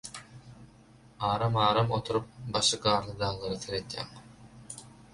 Aram-aram oturup başy garly daglara seredýäň.